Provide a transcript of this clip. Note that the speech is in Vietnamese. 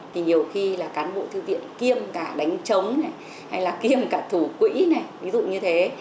thì nhiều khi là cán bộ thư viện kiêm cả đánh chống này hay là kiêm cả thủ quỹ này ví dụ như thế